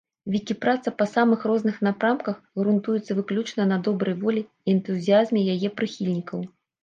Вікіпраца па самых розных напрамках грунтуецца выключна на добрай волі і энтузіязме яе прыхільнікаў.